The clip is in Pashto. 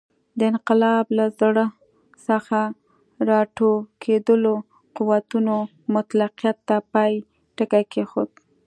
د انقلاب له زړه څخه راټوکېدلو قوتونو مطلقیت ته پای ټکی کېښود.